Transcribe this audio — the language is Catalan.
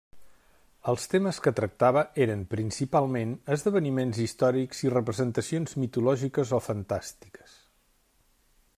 Els temes que tractava eren principalment esdeveniments històrics i representacions mitològiques o fantàstiques.